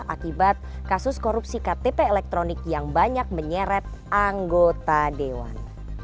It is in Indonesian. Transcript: akibat kasus korupsi ktp elektronik yang banyak menyeret anggota dewan